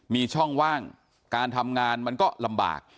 มีช่องว่างการทำงานมันก็ลำบาก